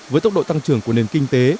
với tốc độ tăng trưởng của nền kinh tế